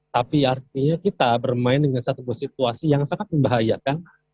tapi artinya kita bermain dengan satu situasi yang sangat membahayakan